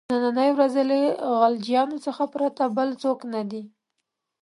د نني ورځې له غلجیانو څخه پرته بل څوک نه دي.